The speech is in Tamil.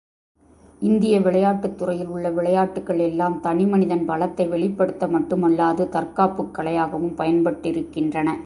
இந்திய விளையாட்டுத் துறையில் உள்ள விளையாட்டுக்கள் எல்லாம் தனி மனிதன் பலத்தை வெளிப்படுத்த மட்டுமல்லாது, தற்காப்புக் கலையாகவும் பயன்பட்டிருக்கின்றன.